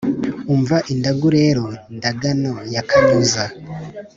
umva indagu rero ndagano ya kanyuza